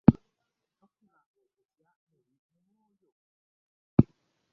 Tofuna okutya muli mu mwoyo?